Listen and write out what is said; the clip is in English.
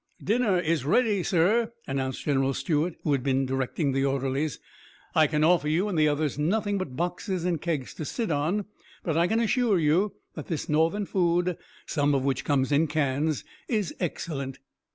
"Dinner is ready, sir," announced General Stuart, who had been directing the orderlies. "I can offer you and the others nothing but boxes and kegs to sit on, but I can assure you that this Northern food, some of which comes in cans, is excellent."